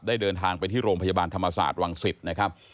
เดินทางไปที่โรงพยาบาลธรรมศาสตร์วังศิษย์นะครับ